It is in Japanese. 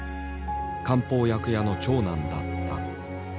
漢方薬屋の長男だった。